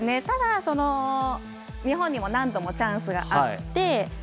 ただ、日本にも何度もチャンスがあって。